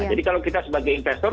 jadi kalau kita sebagai investor